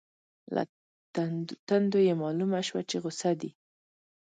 له تندو یې مالومه شوه چې غصه دي.